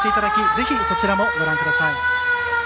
ぜひそちらもご覧ください。